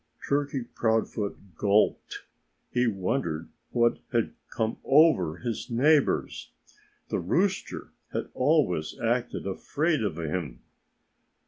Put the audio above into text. Turkey Proudfoot gulped. He wondered what had come over his neighbors. The rooster had always acted afraid of him.